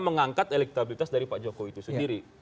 mengangkat elektabilitas dari pak jokowi itu sendiri